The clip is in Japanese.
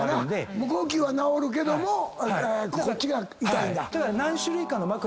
無呼吸は治るけどもこっちが痛いんだ。